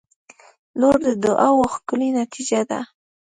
• لور د دعاوو ښکلی نتیجه ده.